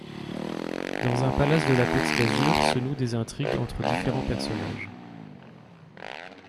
Dans un palace de la côte d'Azur se nouent des intrigues entre différents personnages.